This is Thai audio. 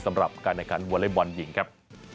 สำหรับการแข่งขันวอเล็กบอลหญิงครับ